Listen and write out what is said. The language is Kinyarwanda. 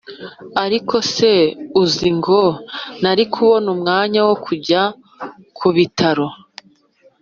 ariko se uzi ngo nari kubona umwanya wo kujya kubitaro